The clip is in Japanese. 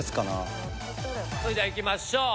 それではいきましょう